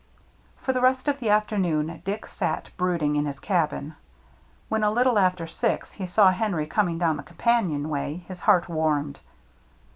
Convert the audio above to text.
For the rest of the afternoon Dick sat brood ing in his cabin. When, a little after six, he saw Henry coming down the companionway, his heart warmed.